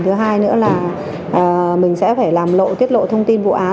thứ hai nữa là mình sẽ phải làm lộ tiết lộ thông tin vụ án